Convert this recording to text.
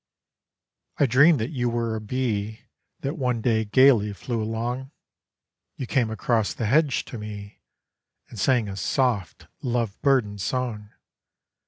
I dreamed that you were a bee That one day gaily flew along, You came across the hedge to me, And sang a soft, love burdened song.